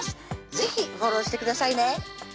是非フォローしてくださいね